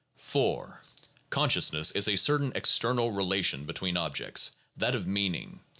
(7, 8; cf. 5, 18, 32.) 4. Consciousness is a certain external relation between objects — that of "meaning."